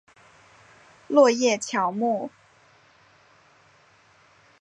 落叶乔木。